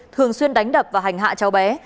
thường xuyên đánh đập và hành hạ cháu bé